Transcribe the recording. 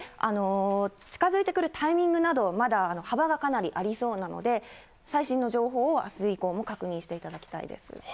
近づいてくるタイミングなど、まだ幅がかなりありそうなので、最新の情報をあす以降も確認していただきたいです。